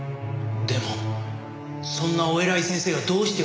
でもそんなお偉い先生がどうして私の弁護を？